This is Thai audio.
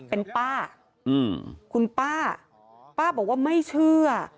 เป็นป้าคุณป้าป้าบอกว่าไม่เชื่อ